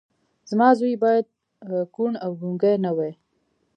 زما زوی بايد کوڼ او ګونګی نه وي.